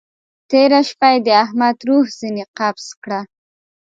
تېره شپه يې د احمد روح ځينې قبض کړه.